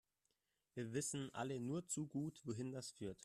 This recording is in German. Wir wissen alle nur zu gut, wohin das führt.